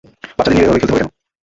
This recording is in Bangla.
বাচ্চাদের নিয়ে এভাবে খেলতে হবে কেন?